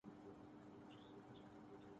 سیاست نام ہی لوگوں کی سادگی سے فائدہ اٹھانے کا ہے۔